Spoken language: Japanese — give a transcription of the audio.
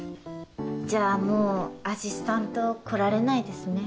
じゃあもうアシスタント来られないですね。